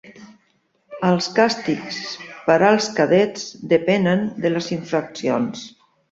Els càstigs per als cadets depenen de les infraccions.